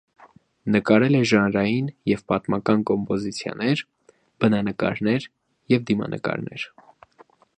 Նկարել է ժանրային և պատմական կոմպոզիցիաներ, բնանկարներ և դիմանկարներ։